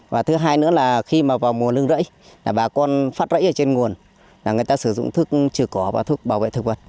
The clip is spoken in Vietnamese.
và thứ hai nữa là khi mà vào mùa lưng rẫy là bà con phát rẫy ở trên nguồn là người ta sử dụng thức trừ cỏ và thuốc bảo vệ thực vật